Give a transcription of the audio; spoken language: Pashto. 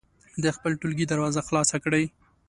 د خپل ټولګي دروازه خلاصه کړئ.